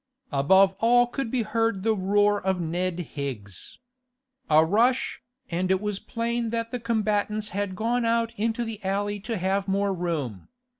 Above all could be heard the roar of Ned Higgs. A rush, and it was plain that the combatants had gone out into the alley to have more room.